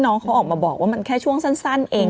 น้องเขาออกมาบอกว่ามันแค่ช่วงสั้นเอง